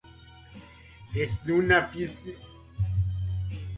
Es una de fisiología y biología evolutiva.